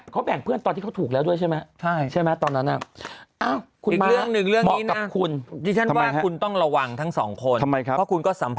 เขาแบ่งเพื่อนตอนที่เขาถูกแล้วด้วยใช่ไหมตอนนั้น